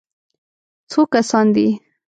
_څو کسان دي؟